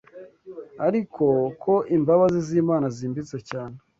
ariko ko imbabazi z’Imana zimbitse cyane